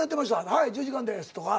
「はい１０時間です」とか。